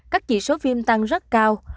các chỉ số phim tăng rất cao